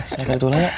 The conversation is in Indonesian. saya kayak gitu lah ya